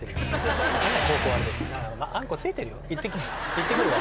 いってくるわ。